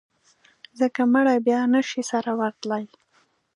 ځکه مړي بیا نه شي سره ورتلای.